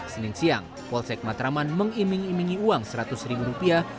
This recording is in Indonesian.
senin siang polsek matraman mengiming imingi uang seratus ribu rupiah